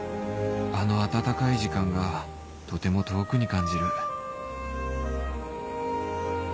あの温かい時間がとても遠くに感じる